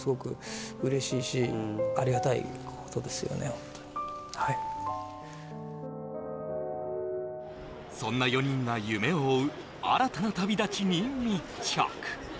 ホントにはいそんな４人が夢を追う新たな旅立ちに密着